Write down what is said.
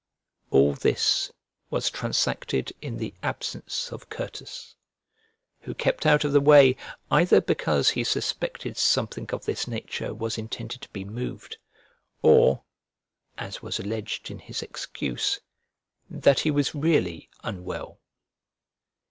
All this was transacted in the absence of Certus; who kept out of the way either because he suspected something of this nature was intended to be moved, or (as was alleged in his excuse) that he was really unwell.